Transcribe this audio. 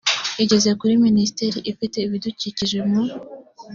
igeza kuri minisiteri ifite ibidukikije mu